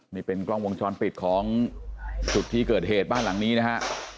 นี่เป็นกล้องวงจรปิดของจุดที่เกิดเหตุบ้านหลังนี้นะฮะ